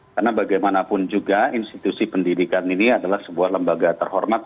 karena bagaimanapun juga institusi pendidikan ini adalah sebuah lembaga terhormat